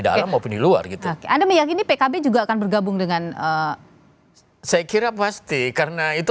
dalam maupun di luar gitu oke anda meyakini pkb juga akan bergabung dengan saya kira pasti karena itu